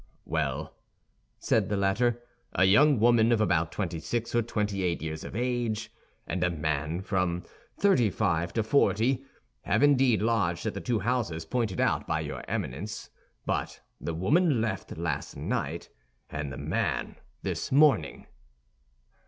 "Well," said the latter, "a young woman of about twenty six or twenty eight years of age, and a man of from thirty five to forty, have indeed lodged at the two houses pointed out by your Eminence; but the woman left last night, and the man this morning."